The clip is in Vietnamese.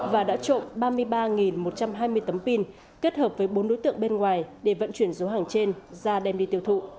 và đã trộm ba mươi ba một trăm hai mươi tấm pin kết hợp với bốn đối tượng bên ngoài để vận chuyển số hàng trên ra đem đi tiêu thụ